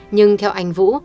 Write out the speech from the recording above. nhưng theo anh vũ